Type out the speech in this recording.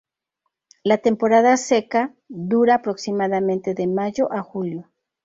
La temporada seca dura aproximadamente de mayo a julio.